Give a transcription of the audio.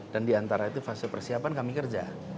diantara itu fase persiapan kami kerja